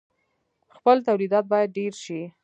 خپل تولیدات باید ډیر شي.